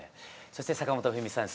そして坂本冬美さん